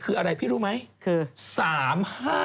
คืออะไรพี่รู้ไหม